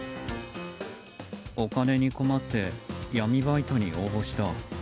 お金に困って闇バイトに応募した。